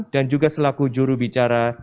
dan juga selaku juru bicara